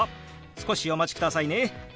少しお待ちくださいね。